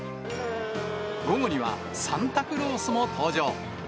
午後にはサンタクロースも登場。